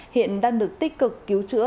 hiện đang được tích cực cứu chữa